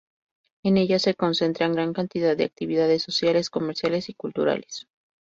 En ellas se concentran gran cantidad de actividades sociales, comerciales y culturales.